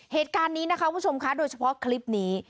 เหตุการณ์นี้นะคะคุณผู้ชมค่ะโดยเฉพาะคลิปนี้